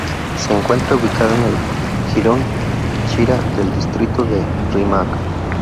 Se encuentra ubicada en el jirón Chira del distrito del Rímac.